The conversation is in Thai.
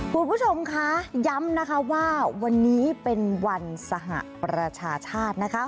คุณผู้ชมคะย้ำนะคะว่าวันนี้เป็นวันสหประชาชาตินะคะ